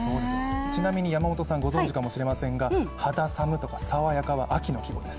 ちなみに山本さん、ご存じかもしれませんが肌寒とか爽やかは秋の季語です。